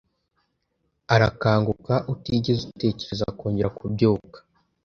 Arakanguka, utigeze atekereza kongera kubyuka,